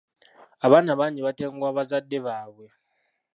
Abaana bangi batenguwa bazadde baabwe.